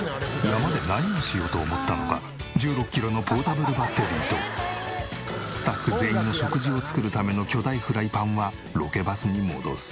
山で何をしようと思ったのか１６キロのポータブルバッテリーとスタッフ全員の食事を作るための巨大フライパンはロケバスに戻す。